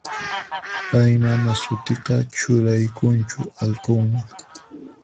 Pay mana sutita churaykunchu allqunman.